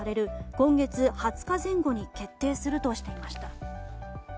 今月２０日前後に決定するとしていました。